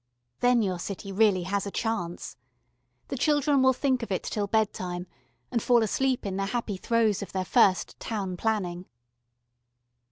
Then your city really has a chance. The children will think of it till bed time and fall asleep in the happy throes of their first town planning.